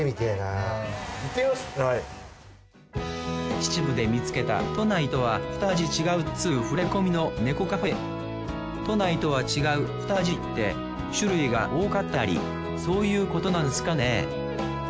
秩父で見つけた都内とは２味違うっつうふれこみの猫カフェ都内とは違う２味って種類が多かったりそういうことなんすかね？